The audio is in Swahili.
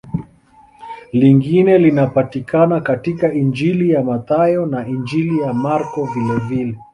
Lingine linapatikana katika Injili ya Mathayo na Injili ya Marko vilevile.